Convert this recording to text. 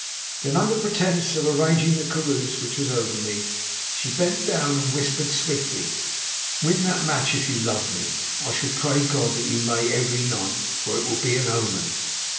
Then, under pretence of arranging the kaross which was over me, she bent down and whispered swiftly: "Win that match if you love me. I shall pray God that you may every night, for it will be an omen."